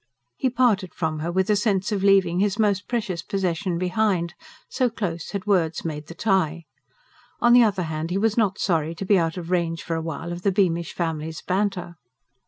He parted from her with a sense of leaving his most precious possession behind, so close had words made the tie. On the other hand, he was not sorry to be out of range for a while of the Beamish family's banter.